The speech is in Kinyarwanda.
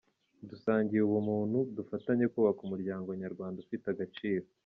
Dusangiye ubumuntu, dufatanye kubaka umuryango nyarwanda ufite agaciro.”